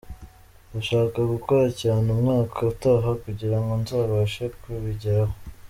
Ndashaka gukora cyane umwaka utaha kugira ngo nzabashe kubigeraho.